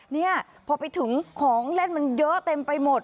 เนี่ยพอไปถึงของเล่นมันเยอะเต็มไปหมด